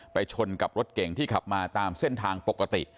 ชนกับรถเก่งที่ขับมาตามเส้นทางปกติ